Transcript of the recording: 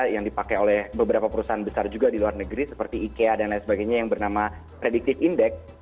yang dipakai oleh beberapa perusahaan besar juga di luar negeri seperti ikea dan lain sebagainya yang bernama predictive index